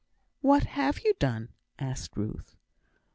"What have you done?" asked Ruth.